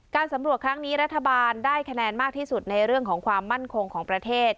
สำรวจครั้งนี้รัฐบาลได้คะแนนมากที่สุดในเรื่องของความมั่นคงของประเทศ